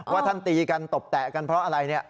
ว่าท่านตีกันตบแตะกันเพราะอะไรเนี่ย